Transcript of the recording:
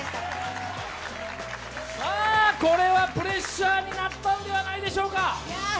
これはプレッシャーになったんではないでしょうか。